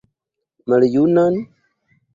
Maljunan?